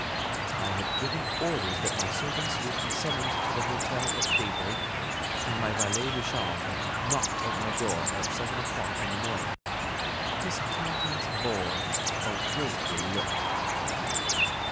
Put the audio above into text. I had given orders that my servants were to be summoned to the hotel at daybreak, and my valet de chambre knocked at my door at seven o'clock in the morning. His countenance bore a woeful look.